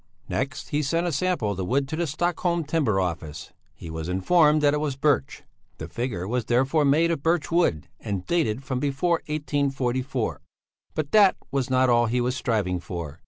Next he sent a sample of the wood to the Stockholm timber office; he was informed that it was birch. The figure was therefore made of birchwood and dated from before 1844. But that was not all he was striving for.